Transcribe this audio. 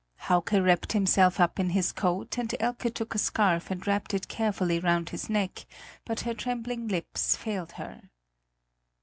Hauke wrapped himself up in his coat, and Elke took a scarf and wrapped it carefully round his neck, but her trembling lips failed her.